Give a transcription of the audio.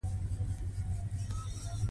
وټاکلي سي.